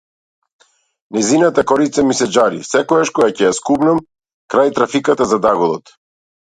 Нејзината корица ми се џари секогаш кога ќе ја скубнам крај трафиката зад аголот.